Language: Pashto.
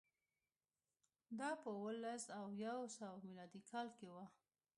دا په اووه لس او یو سوه میلادي کال کې و